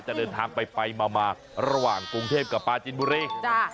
จะเดินทางไปมาระหว่างกรุงเทพกับปลาจินบุรี